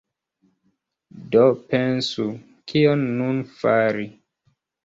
Do pensu, kion nun fari.